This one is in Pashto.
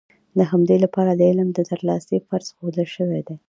د همدې لپاره د علم ترلاسی فرض ښودل شوی دی.